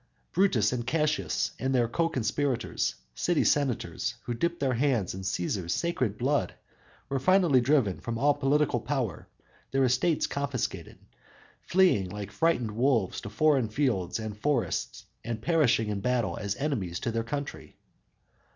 Brutus and Cassius, and their coconspirators, city senators, who dipped their hands in Cæsar's sacred blood, were finally driven from all political power, their estates confiscated, fleeing like frightened wolves to foreign fields and forests and perishing in battle as enemies to their country.